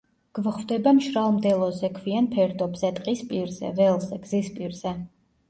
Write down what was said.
გვხვდება მშრალ მდელოზე, ქვიან ფერდობზე, ტყის პირზე, ველზე, გზის პირზე.